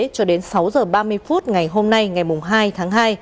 cho đến sáu h ba mươi phút ngày hôm nay ngày hai tháng hai